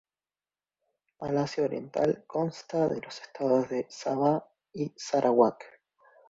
Malasia Oriental consta de los estados de Sabah y Sarawak.